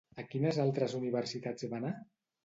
A quines altres universitats va anar?